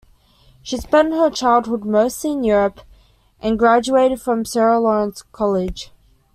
She spent her childhood mostly in Europe and graduated from Sarah Lawrence College.